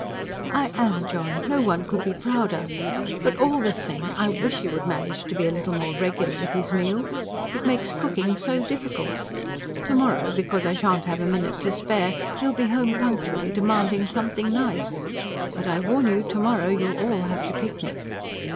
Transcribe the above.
"I am, John no one could be prouder. But all the same I wish he could manage to be a little more regular with his meals. It makes cooking so difficult. To morrow, because I shan't have a minute to spare, he'll be home punctually, demanding something nice. But I warn you, to morrow you'll all have to picnic!"